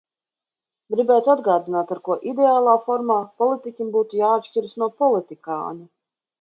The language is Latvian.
Gribētu atgādināt, ar ko ideālā formā politiķim būtu jāatšķiras no politikāņa.